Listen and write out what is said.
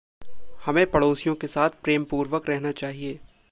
हमे पड़ोसियों के साथ प्रेमपूर्वक रहना चहिए।